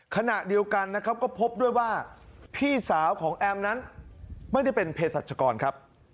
ขณะเดียวกันนะครับก็พบด้วยว่าพี่สาวของแอมนั้นไม่ได้เป็นเพศรัชกรครับ